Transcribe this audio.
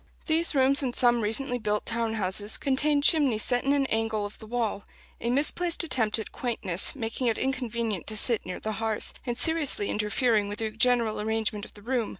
These rooms, in some recently built town houses, contain chimneys set in an angle of the wall: a misplaced attempt at quaintness, making it inconvenient to sit near the hearth, and seriously interfering with the general arrangement of the room.